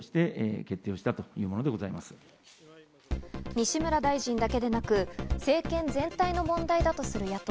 西村大臣だけでなく、政権全体の問題だとする野党。